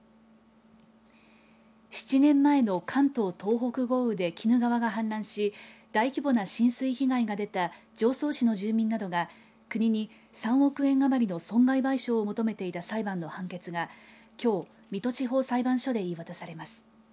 ７年前の関東・東北豪雨で鬼怒川が氾濫し大規模な浸水被害が出た常総市の住民などが国に３億円余りの損害賠償を求めていた裁判の判決がきょう水戸地方裁判所で言い渡されます。